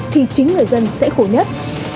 thì chính người dân sẽ khổ nhất